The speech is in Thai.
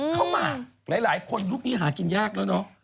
หมากหลายคนยุคนี้หากินยากแล้วเนอะ